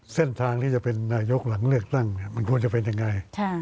เส้นทางที่จะเป็นนายกหลังเลือกตั้งมันควรจะเป็นยังไง